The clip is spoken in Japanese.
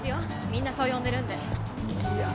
みんなそう呼んでるんでいや